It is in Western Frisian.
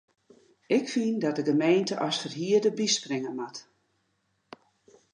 Ik fyn dat de gemeente as ferhierder byspringe moat.